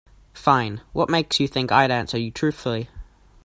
Fine, what makes you think I'd answer you truthfully?